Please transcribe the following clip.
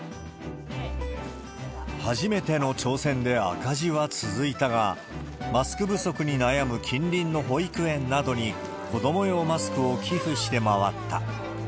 初めての挑戦で赤字は続いたが、マスク不足に悩む近隣の保育園などに、子ども用マスクを寄付して回った。